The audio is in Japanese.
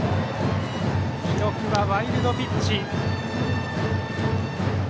記録はワイルドピッチ。